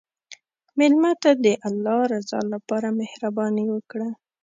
مېلمه ته د الله رضا لپاره مهرباني وکړه.